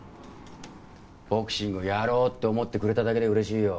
ボクシングやろうって思ってくれただけで嬉しいよ。